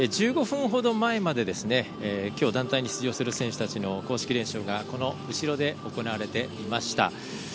１５分ほど前まで今日、団体に出場する選手たちの公式練習がこの後ろで行われていました。